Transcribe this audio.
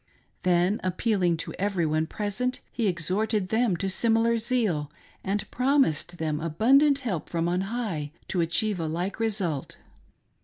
Then appealing to every one present he exhorted them to similar zeal, and promised them abundant help from on high to achieve a like result.